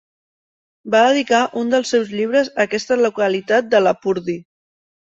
Va dedicar un dels seus llibres a aquesta localitat de Lapurdi.